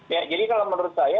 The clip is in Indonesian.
ya jadi kalau menurut saya